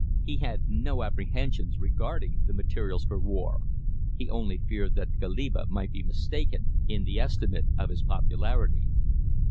He had no apprehensions regarding the materials for war; he only feared that Goliba might be mistaken in the estimate of his popularity.